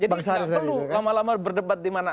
jadi nggak perlu lama lama berdebat di mana